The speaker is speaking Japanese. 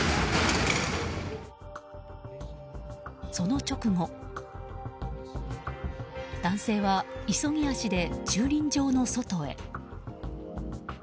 その直後、男性は急ぎ足で駐輪場の外へ。